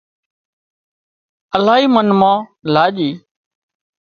الاهي منَ مان لاڄي